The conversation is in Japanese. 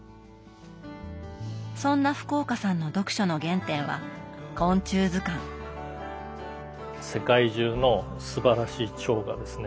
そんな福岡さんの読書の原点は世界中のすばらしいチョウがですね